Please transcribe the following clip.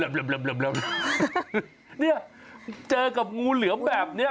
ี๊คุณพี่นี่เจอกับงูเหลือแบบนี้